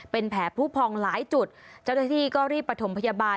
เป็นแผลผู้พองหลายจุดเจ้าหน้าที่ก็รีบประถมพยาบาล